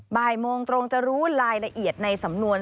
บ่ายโมงตรงจะรู้รายละเอียดในสำนวน